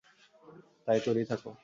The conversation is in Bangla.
তাই তৈরি থাকো।